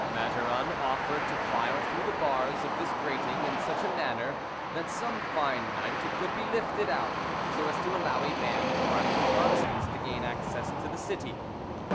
Maduron offered to file through the bars of this grating in such a manner that some fine night it could be lifted out so as to allow a band of armed Protestants to gain access to the city.